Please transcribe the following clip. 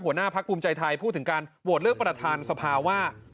หัวหน้าพักภูมิใจไทยพูดถึงการโหวตเลือกประธานสภาว่า